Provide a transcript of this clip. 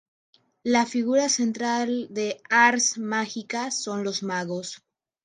La figura central de "Ars Magica" son los magos.